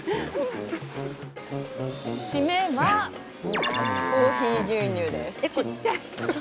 しめはコーヒー牛乳です。